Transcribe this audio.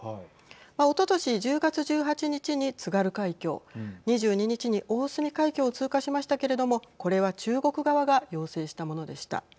おととし１０月１８日に津軽海峡２２日に大隅海峡を通過しましたけれどもこれは中国側が要請したものでした。